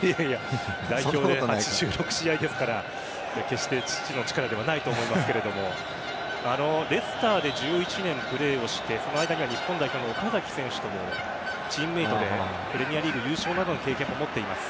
代表で８６試合ですから決して父の力ではないと思いますがレスターで１１年プレーをしてその間には日本代表の岡崎選手ともチームメイトでプレミアリーグ優勝などの経験も持っています。